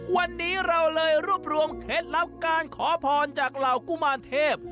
วันนี้เราเลยรวบรวมเคล็ดลับการขอพรจากเหล่ากุมารเทพ